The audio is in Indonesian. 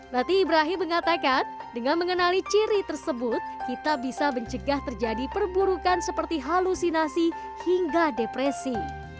rati ibrahi mengatakan dengan mengenali ciri tersebut kita bisa mencegah terjadi perburukan seperti halusinasi hingga depresi